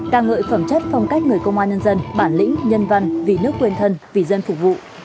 ca ngợi phẩm chất phong cách người công an nhân dân bản lĩnh nhân văn vì nước quên thân vì dân phục vụ